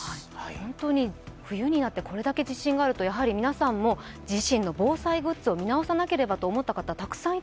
本当に冬になってこれだけ地震があると、やはり皆さんも自身の防災グッズを見直さなければいけないと思った方